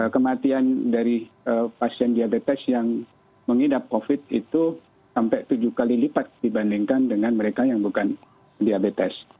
kematian dari pasien diabetes yang mengidap covid itu sampai tujuh kali lipat dibandingkan dengan mereka yang bukan diabetes